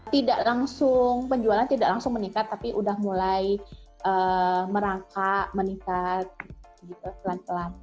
tidak langsung penjualan tidak langsung meningkat tapi udah mulai merangkak meningkat gitu pelan pelan